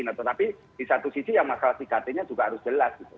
nah tetapi di satu sisi yang masalah tikatinya juga harus jelas